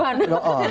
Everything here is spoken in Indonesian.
nah itu beruluan